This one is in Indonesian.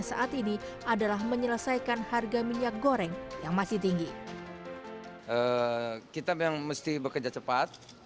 saat ini adalah menyelesaikan harga minyak goreng yang masih tinggi kita memang mesti bekerja cepat